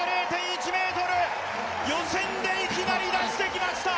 予選でいきなり出してきました。